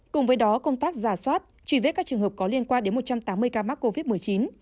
cùng với đó công tác giả soát truy vết các trường hợp có liên quan đến một trăm tám mươi ca mắc covid một mươi chín